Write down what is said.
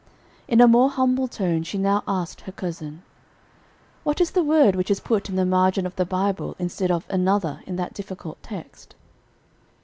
In a more humble tone she now asked her cousin, "What is the word which is put in the margin of the Bible instead of 'another' in that difficult text?"